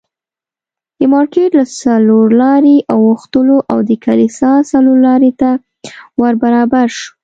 د مارکېټ له څلور لارې اوښتلو او د کلیسا څلورلارې ته ور برابر شوو.